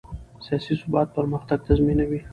سیاسي ثبات پرمختګ تضمینوي